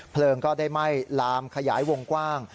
เพลิงก็ได้ไหม้ลามขยายวงกว้าง